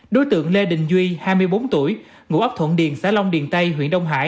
đối tượng lê đình duy hai mươi bốn tuổi ngụ ấp thuận điền xã long điền tây huyện đông hải